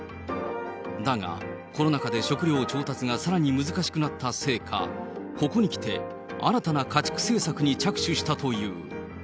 だがコロナ禍で食料調達がさらに難しくなったせいか、ここにきて、新たな家畜政策に着手したという。